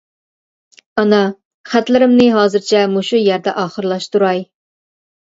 ئانا خەتلىرىمنى ھازىرچە مۇشۇ يەردە ئاخىرلاشتۇراي.